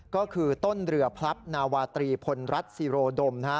ก็คือต้นเรือพลับนาวาตรีผลรัชสโรโดม